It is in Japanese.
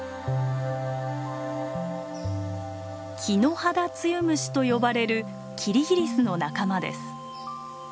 キノハダツユムシと呼ばれるキリギリスの仲間です。